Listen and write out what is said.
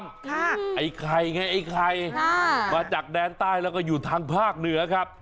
ไอ้ไข่ไงไอ้ไข่อ่ามาจากแดนใต้แล้วก็อยู่ทางภาคเหนือครับ